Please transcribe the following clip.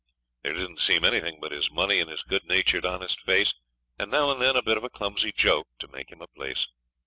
There didn't seem anything but his money and his good natured honest face, and now and then a bit of a clumsy joke, to make him a place.